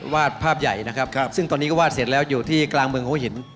วาดภาพใหญ่นะครับซึ่งตอนนี้ก็วาดเสร็จแล้วอยู่ที่กลางเมืองหัวหิน